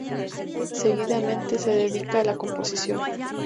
Seguidamente, se dedica a la composición.